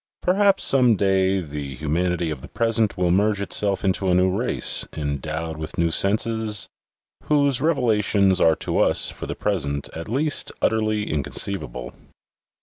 Perhaps some day the THE FOURTH DIMENSION 12$ humanity of the present will merge itself into a new race, endowed with new senses, whose revelations are to us, for the present, at least, utterly inconceivable.